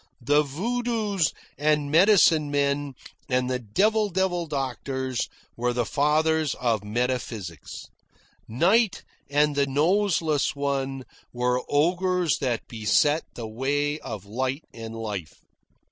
The voodoos and medicine men and the devil devil doctors were the fathers of metaphysics. Night and the Noseless One were ogres that beset the way of light and life.